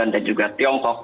dan juga tiongkok